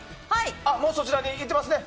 もうそちらに行っていますね。